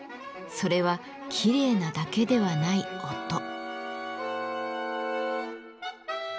それはきれいなだけではない音。